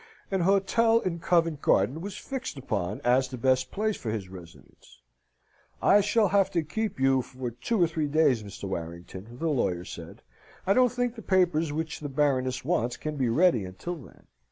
An hotel in Covent Garden was fixed upon as the best place for his residence. "I shall have to keep you for two or three days, Mr. Warrington," the lawyer said. "I don't think the papers which the Baroness wants can be ready until then.